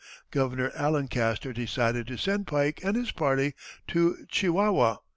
Governor Allencaster decided to send Pike and his party to Chihuahua.